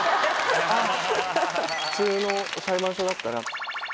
普通の裁判所だったら。